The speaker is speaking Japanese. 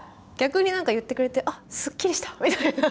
逆になんか言ってくれてあっすっきりしたみたいな。